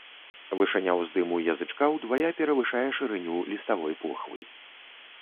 Вышыня ўздыму язычка ўдвая перавышае шырыню ліставой похвы.